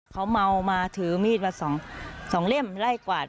เขาเมามาถือมีดมา๒เล่มไล่กวาด